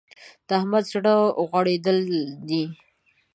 د احمد زړه غوړېدل دی.